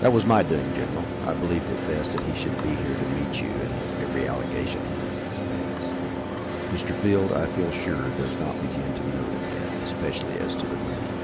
"That was my doing, general. I believed it best that he should be here to meet you and every allegation at his expense. Mr. Field, I feel sure, does not begin to know them yet, especially as to the money."